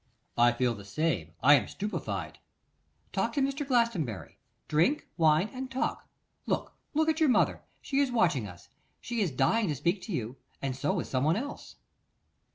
'I feel the same; I am stupefied.' 'Talk to Mr. Glastonbury; drink wine, and talk. Look, look at your mother; she is watching us. She is dying to speak to you, and so is some one else.